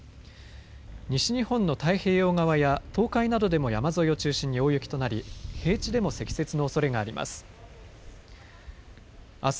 西日本の太平洋側や東海などでも山沿いを中心に大雪となり平地でも積雪のおそれがあります。